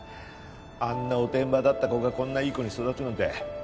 あんなおてんばだった子がこんないい子に育つなんて。